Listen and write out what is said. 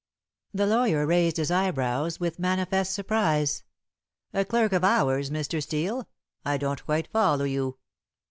The lawyer raised his eyebrows with manifest surprise. "A clerk of ours, Mr. Steel? I don't quite follow you."